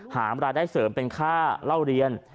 รายได้เสริมเป็นค่าเล่าเรียน